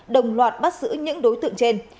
đồng loạt bắt giữ những đối tượng trên